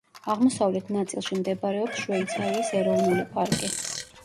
აღმოსავლეთ ნაწილში მდებარეობს შვეიცარიის ეროვნული პარკი.